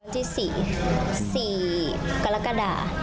ที่๔๔กรกฎา